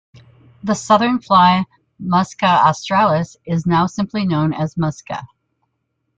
The Southern Fly, Musca Australis, is now simply known as Musca.